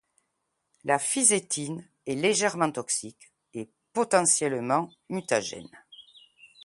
La fisétine est légèrement toxique, et potentiellement mutagène.